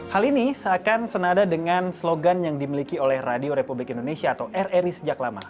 hal ini seakan senada dengan slogan yang dimiliki oleh radio republik indonesia atau rri sejak lama